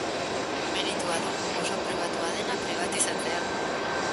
Meritua du oso pribatua dena pribatizatzea.